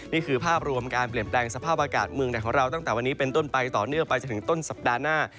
นี่คือภาพรวมการเปลี่ยนแปลงสภาพอากาศเมืองไหนของเราตั้งแต่วันนี้เป็นต้นไปต่อเนื่องไปจนถึงต้นสัปดาห์หน้า